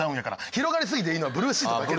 広がりすぎていいのはブルーシートだけ。